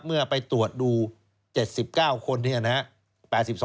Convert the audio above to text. เมื่อไปตรวจดู๗๙คนเนี่ยนะครับ